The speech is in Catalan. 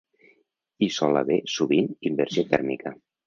Hi sol haver sovint inversió tèrmica.